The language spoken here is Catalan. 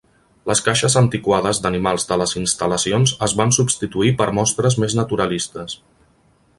Les caixes antiquades d'animals de les instal·lacions es van substituir per mostres més naturalistes.